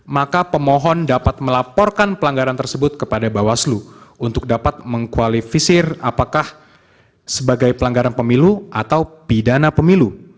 maka pemohon dapat melaporkan pelanggaran tersebut kepada bawaslu untuk dapat mengkualifisir apakah sebagai pelanggaran pemilu atau pidana pemilu